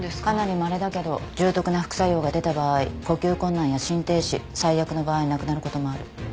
かなりまれだけど重篤な副作用が出た場合呼吸困難や心停止最悪の場合亡くなることもある。